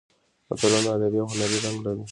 متلونه ادبي او هنري رنګ لري